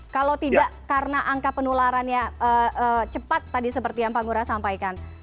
kalau tidak karena angka penularannya cepat tadi seperti yang pak ngurah sampaikan